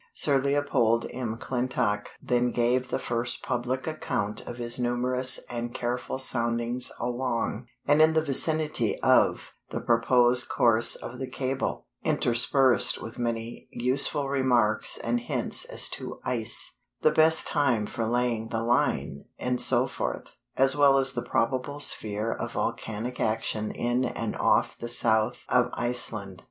Sir Leopold M'Clintock then gave the first public account of his numerous and careful soundings along, and in the vicinity of, the proposed course of the cable, interspersed with many useful remarks and hints as to ice, the best time for laying the line, etc., as well as the probable sphere of volcanic action in and off the south of Iceland.